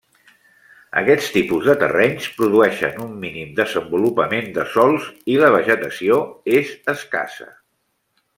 Aquest tipus de terrenys produeixen un mínim desenvolupament de sòls i la vegetació és escassa.